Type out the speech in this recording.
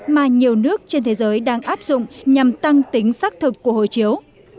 mà nhiều nước trên thế giới đang áp dụng nhằm tăng tính sắc thực của hộ chiếu